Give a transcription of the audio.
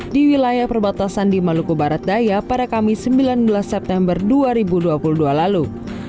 di wilayah perbatasan di maluku barat daya pada kamis sembilan belas september dua ribu dua puluh dua lalu